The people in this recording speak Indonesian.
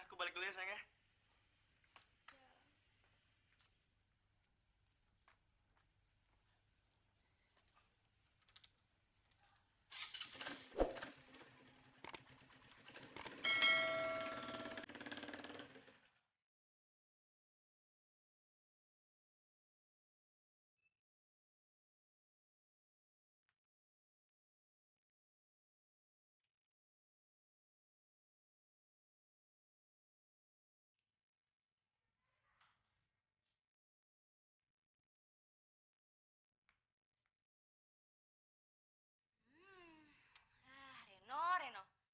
aku balik pulang dulu ya